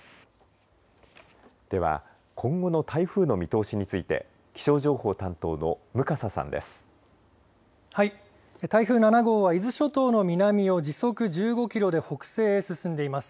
では今後の台風の見通しについて台風７号は伊豆諸島の南を時速１５キロで北西へ進んでいます。